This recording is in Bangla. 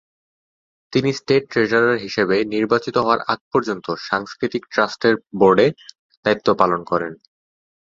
তিনি স্টেট ট্রেজারার হিসেবে নির্বাচিত হওয়ার আগ পর্যন্ত সাংস্কৃতিক ট্রাস্টের বোর্ডে দায়িত্ব পালন করেন।